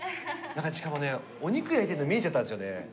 しかもねお肉焼いてるの見えちゃったんですよね。